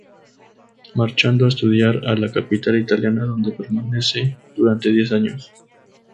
Marchando a estudiar a la capital italiana, donde permanece durante diez años.